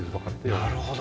なるほど。